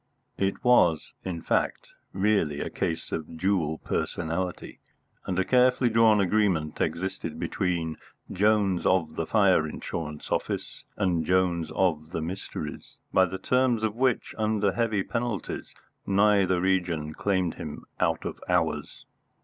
It was, in fact, really a case of dual personality; and a carefully drawn agreement existed between Jones of the fire insurance office and Jones of the mysteries, by the terms of which, under heavy penalties, neither region claimed him out of hours.